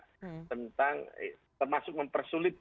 jadi kalau ada yang kurang itu diambil oleh mk